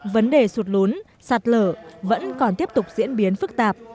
vấn đề sụt lún sạt lở vẫn còn tiếp tục diễn biến phức tạp